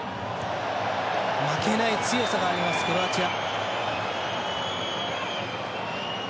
負けない強さがありますクロアチア。